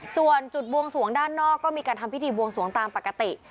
ส่วนจุดบวงสวงด้านนอกก็มีการทำพิธีบวงสวงตามปกติ